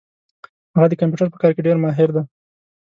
هغه د کمپیوټر په کار کي ډېر ماهر ده